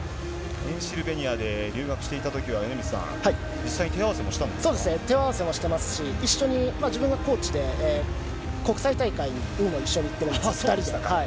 ペンシルベニアで留学していたときは、米満さん、そうですね、手合わせもしてますし、一緒に、自分がコーチで国際大会にも一緒に行ってるんですよ、２人で。